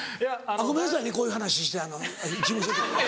ごめんなさいねこういう話してあの事務所。